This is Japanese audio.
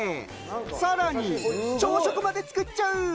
さらに朝食まで作っちゃう！